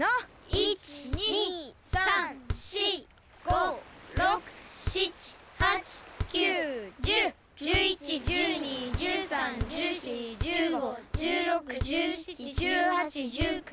１２３４５６７８９１０１１１２１３１４１５１６１７１８１９２０２１。